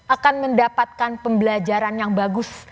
akan mendapatkan pembelajaran yang bagus